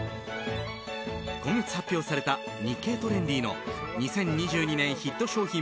今月発表された「日経トレンディ」の２０２２年ヒット商品